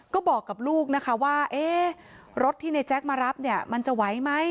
ก็บอกกับลูกนะคะว่ารถที่ในแจ๊คมารับเนี่ยมันจะไหวไหม